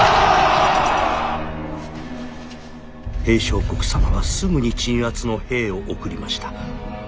「平相国様はすぐに鎮圧の兵を送りました。